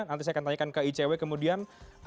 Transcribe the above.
nanti saya akan tanyakan ke icw kemudian